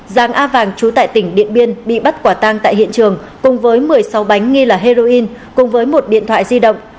giàng a vàng trú tại tỉnh điện biên bị bắt quả tang tại hiện trường cùng với một mươi sáu bánh nghi là heroin cùng với một điện thoại di động